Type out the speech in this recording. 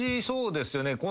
そうですね。